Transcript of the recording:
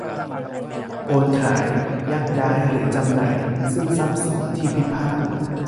โอนขาย ยักย้ายหรือจำหน่าย ซึ่งทรัพย์สินที่พิพาท